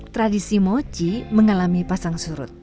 tradisi mochi mengalami pasang surut